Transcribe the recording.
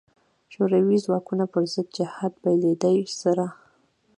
شوروي ځواکونو پر ضد جهاد پیلېدا سره.